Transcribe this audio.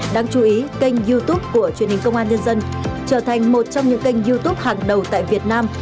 đáng chú ý kênh youtube của truyền hình công an nhân dân trở thành một trong những kênh youtube hàng đầu tại việt nam